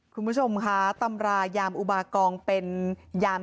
คุณผู้ชมคะตำรายามอุบากองเป็นยาม